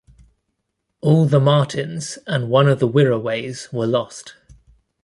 All the Martins and one of the Wirraways were lost.